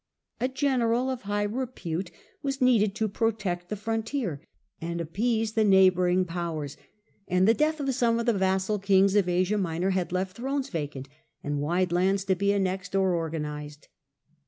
A general of high repute was needed to protect the frontier and appease the neighbouring powers, and the death of some of the vassal kings of Asia Minor had left thrones vacant, and wide lands to be annexed or orga nized.